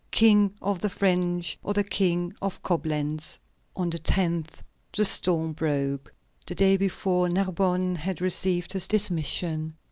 King of the French, or the King of Coblentz." On the 10th the storm broke. The day before, Narbonne had received his dismission.